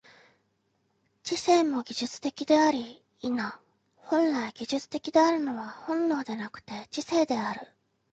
知性も技術的であり、否、本来技術的であるのは本能でなくて知性である。